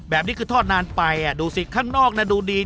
แบบนี้คือทอดนานไปดูสิข้างนอกดูดี